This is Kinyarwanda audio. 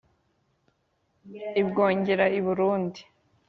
i bwongera: i burundi